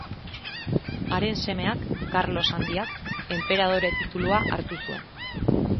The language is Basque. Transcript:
Haren semeak, Karlos Handiak, enperadore titulua hartu zuen.